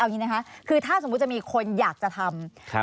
อย่างนี้นะคะคือถ้าสมมุติจะมีคนอยากจะทำ